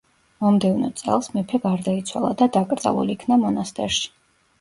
მომდევნო წელს, მეფე გარდაიცვალა და დაკრძალულ იქნა მონასტერში.